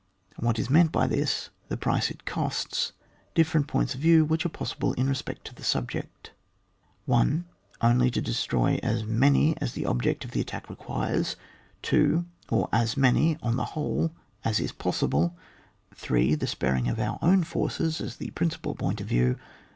— ^What is meant by this — The price it costs — Different points of yiew which are possible in respect to the subject. 1, only to destroy as many as the ob ject of the attack requires. 2, or as many on the whole as is pos sible. 8, the sparing of our own forces as the principal point of yiew.